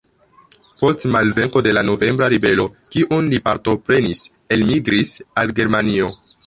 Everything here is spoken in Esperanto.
Post malvenko de la novembra ribelo, kiun li partoprenis, elmigris al Germanio.